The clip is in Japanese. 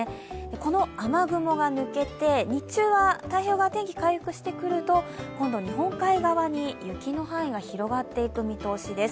この雨雲が抜けて日中は太平洋側は天気が回復してくると今度、日本海側に雪の範囲が広がっていく見通しです。